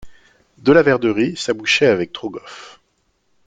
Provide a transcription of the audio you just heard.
Delaverderie s’abouchait avec Trogoff.